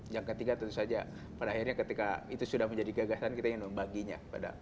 yang ketiga tentu saja pada akhirnya ketika itu sudah menjadi gagasan kita ingin membaginya